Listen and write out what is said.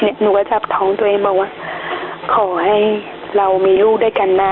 หนูก็จับท้องตัวเองบอกว่าขอให้เรามีลูกด้วยกันนะ